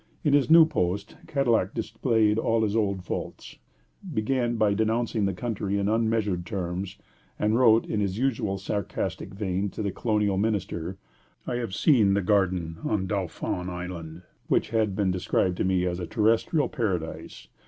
In his new post, Cadillac displayed all his old faults; began by denouncing the country in unmeasured terms, and wrote in his usual sarcastic vein to the colonial minister: "I have seen the garden on Dauphin Island, which had been described to me as a terrestrial paradise.